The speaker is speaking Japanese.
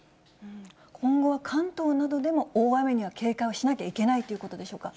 今後は関東などでも大雨には警戒をしなきゃいけないということでしょうか？